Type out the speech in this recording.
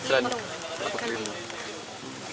bapak ngeluh bapak